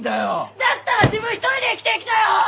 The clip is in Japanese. だったら自分一人で生きていきなよ！